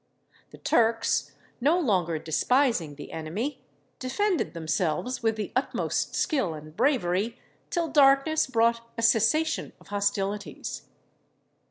The Turks, no longer despising the enemy, defended themselves with the utmost skill and bravery till darkness brought a cessation of hostilities.